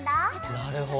なるほど。